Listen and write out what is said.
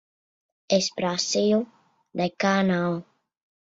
Es prasīju. Nekā nav.